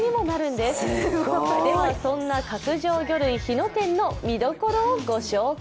ではそんな角上魚類・日野店の見どころをご紹介。